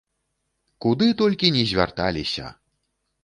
Куды толькі ні звярталіся!